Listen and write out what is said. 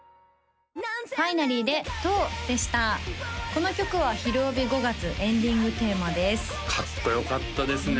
この曲は「ひるおび」５月エンディングテーマですかっこよかったですね